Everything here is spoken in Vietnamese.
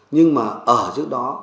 nhưng mà ở trước đó